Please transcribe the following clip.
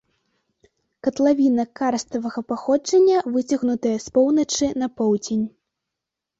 Катлавіна карставага паходжання выцягнутая з поўначы на поўдзень.